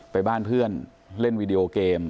ไปบ้านเพื่อนเล่นวีดีโอเกม